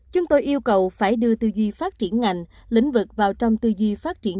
chúng tôi yêu cầu phải đưa tư duy phát triển ngành lĩnh vực vào trong tư duy phát triển